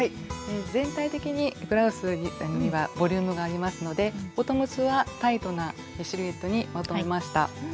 全体的にブラウスにはボリュームがありますのでボトムスはタイトなシルエットにまとめました。